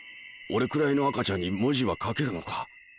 俺くらいの赤ちゃんに文字は書けるのか？